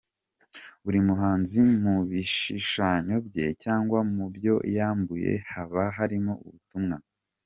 Buri muhanzi mu bishushanyo bye cyangwa mu byo yabumbye, haba harimo ubutumwa.